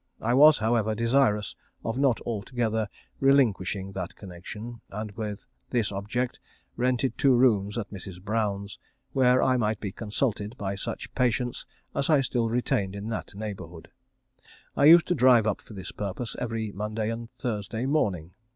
I was, however, desirous of not altogether relinquishing that connection, and with this object rented two rooms at Mrs. Brown's, where I might be consulted by such patients as I still retained in that neighbourhood. I used to drive up for this purpose every Monday and Thursday morning.